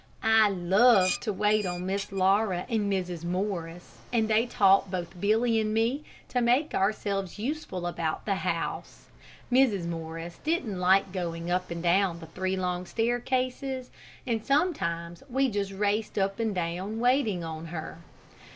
I loved to wait on Miss Laura and Mrs. Morris, and they taught both Billy and me to make ourselves useful about the house. Mrs. Morris didn't like going up and down the three long staircases, and sometimes we just raced up and down, waiting on her.